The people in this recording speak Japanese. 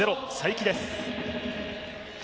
木です。